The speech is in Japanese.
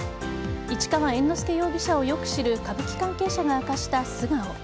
市川猿之助容疑者をよく知る歌舞伎関係者が明かした素顔。